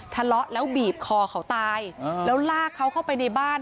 ทะเลาะแล้วบีบคอเขาตายแล้วลากเขาเข้าไปในบ้าน